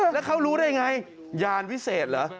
แล้วเขารู้ได้ไงยานวิเศษเหรอ